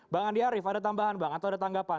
bang andi arief ada tambahan bang atau ada tanggapan